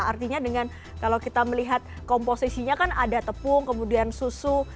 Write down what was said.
artinya dengan kalau kita melihat komposisinya kan ada tepung kemudian susu